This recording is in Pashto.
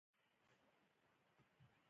حبیبي صاحب لوی استاد د پښتو یاد سوی دئ.